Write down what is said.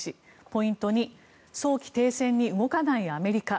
ポイント２早期停戦に動かないアメリカ。